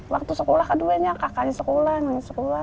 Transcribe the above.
waktu sekolah kedua nya kakaknya sekolah anaknya sekolah